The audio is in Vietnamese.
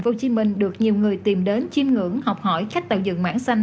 hồ chí minh được nhiều người tìm đến chim ngưỡng học hỏi khách tạo dựng mảng xanh